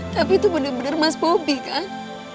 tapi itu bener bener mas bobby kan